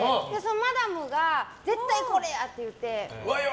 マダムが絶対これやって言うて。